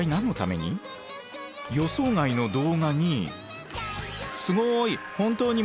予想外の動画に。